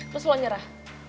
terus lo nyerah